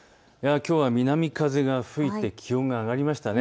きょうは南風が吹いて気温が上がりましたね。